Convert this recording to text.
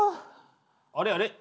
あれあれ？